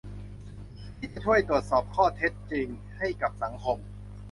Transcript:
ที่จะช่วยตรวจสอบข้อเท็จจริงให้กับสังคม